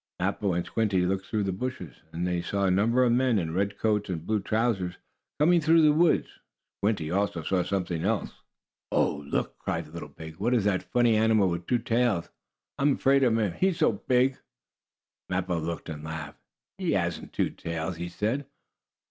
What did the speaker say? Mappo and Squinty looked through the bushes, and they saw a number of men in red coats and blue trousers coming through the woods. Squinty also saw something else. "Oh, look!" cried the little pig. "What is that funny animal with two tails? I'm afraid of him, he's so big!" Mappo looked and laughed. "He hasn't two tails," he said.